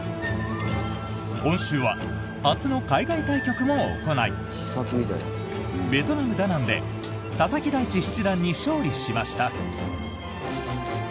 今週は初の海外対局も行いベトナム・ダナンで佐々木大地七段に勝利しました。